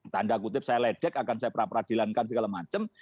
tanda kutip saya ledek akan saya pra peradilankan segala macam